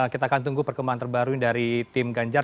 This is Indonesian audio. kita akan tunggu perkembangan terbaru dari tim ganjar